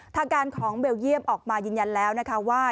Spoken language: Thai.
ทางการของเบลเยี่ยมออกมายืนยันแล้วนะคะว่า